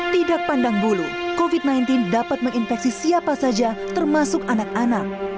tidak pandang bulu covid sembilan belas dapat menginfeksi siapa saja termasuk anak anak